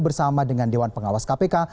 bersama dengan dewan pengawas kpk